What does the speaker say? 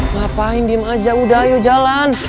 ngapain diem aja udah ayo jalan